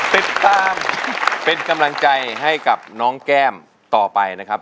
ติดตามเป็นกำลังใจให้กับน้องแก้มต่อไปนะครับ